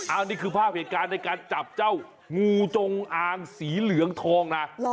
อันนี้คือภาพเหตุการณ์ในการจับเจ้างูจงอางสีเหลืองทองนะ